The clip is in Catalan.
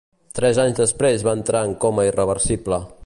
Tres anys després va entrar en coma irreversible.